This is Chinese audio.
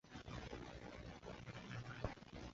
秘鲁草绳桥是印加帝国过峡谷和河流的简单吊索桥。